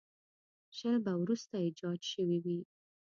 شل به وروسته ایجاد شوي وي.